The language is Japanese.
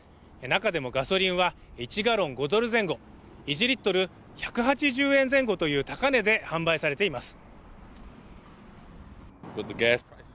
中でもガソリンは１ガロン５ドル前後、１リットル１８０円前後という高値で販売されています。